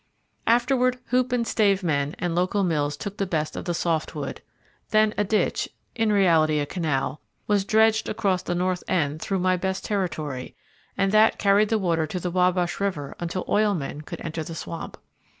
Afterward hoop and stave men and local mills took the best of the soft wood. Then a ditch, in reality a canal, was dredged across the north end through, my best territory, and that carried the water to the Wabash River until oil men could enter the swamp.